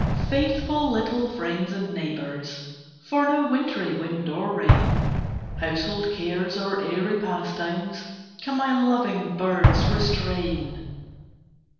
Faithful little friends and neighbors, For no wintry wind or rain, Household cares or airy pastimes, Can my loving birds restrain.